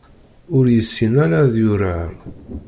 Ur yessin ara ad yurar.